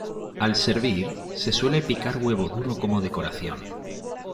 Al servir se suele picar huevo duro como decoración.